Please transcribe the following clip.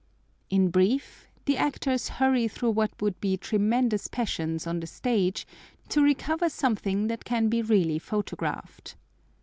In brief, the actors hurry through what would be tremendous passions on the stage to recover something that can be really photographed.